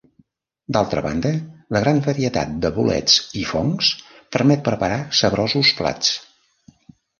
D'altra banda la gran varietat de bolets i fongs permet preparar saborosos plats.